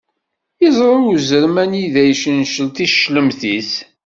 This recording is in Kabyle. Iẓṛa uzrem anida iccencel ticlemt-is.